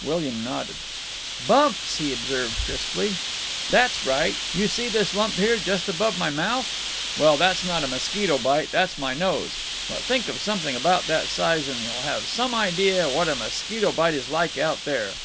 William nodded. "Bumps," he observed crisply. "That's right. You see this lump here, just above my mouth? Well, that's not a mosquito bite; that's my nose; but think of something about that size and you'll have some idea of what a mosquito bite is like out there.